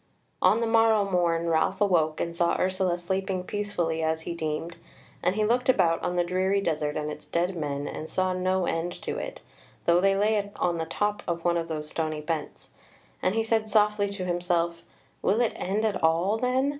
On the morrow morn Ralph awoke and saw Ursula sleeping peacefully as he deemed, and he looked about on the dreary desert and its dead men and saw no end to it, though they lay on the top of one of those stony bents; and he said softly to himself: "Will it end at all then?